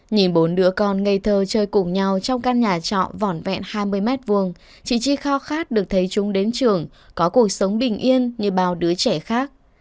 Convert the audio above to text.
nhìn bốn đứa con ngây thơ chơi cùng nhau trong căn nhà trọ vỏn vẹn hai mươi m hai chị chi kho khát được thấy chúng đến trường có cuộc sống bình yên như bao đứa trẻ khác